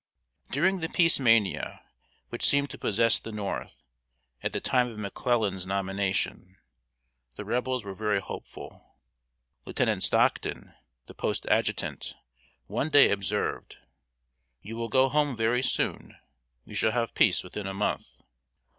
] During the peace mania, which seemed to possess the North, at the time of McClellan's nomination, the Rebels were very hopeful. Lieutenant Stockton, the post Adjutant, one day observed: "You will go home very soon; we shall have peace within a month."